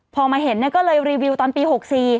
พอมาเห็นก็เลยรีวิวตอนปี๖๔